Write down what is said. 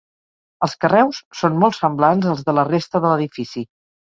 Els carreus són molt semblants als de la resta de l'edifici.